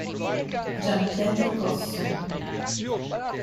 Gian Pietro Cossu